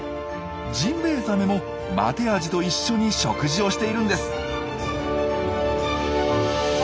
ジンベエザメもマテアジと一緒に食事をしているんです。